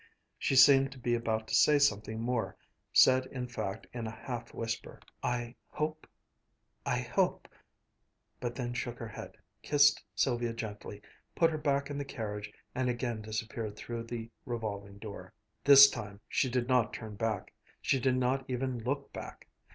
She seemed to be about to say something more, said in fact in a half whisper, "I hope I hope " but then shook her head, kissed Sylvia gently, put her back in the carriage, and again disappeared through the revolving door. This time she did not turn back. She did not even look back.